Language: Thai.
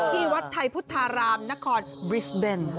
ที่วัดไทยพุทธารามนครบริสเบน